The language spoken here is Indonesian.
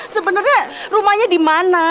sebenarnya rumahnya di mana